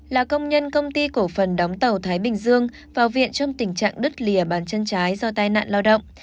là công nhân công ty cổ phần đóng tàu thái bình dương vào viện trong tình trạng đứt lìa bàn chân trái do tai nạn lao động